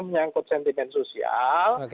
menyangkut sentimen sosial